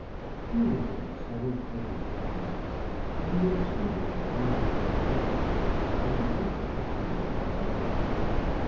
He was in a seventh heaven of happiness, and would have stood there gazing on the river with her all night, if she would have allowed him.